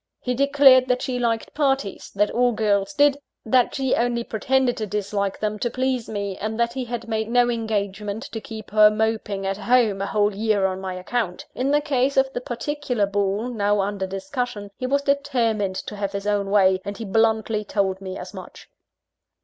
He declared that she liked parties that all girls did that she only pretended to dislike them, to please me and that he had made no engagement to keep her moping at home a whole year on my account. In the case of the particular ball now under discussion, he was determined to have his own way; and he bluntly told me as much.